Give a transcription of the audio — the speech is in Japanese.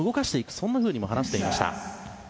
そんなふうにも話していました。